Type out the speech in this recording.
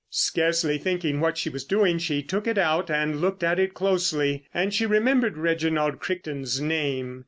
Scarcely thinking what she was doing she took it out and looked at it closely. And she remembered Reginald Crichton's name.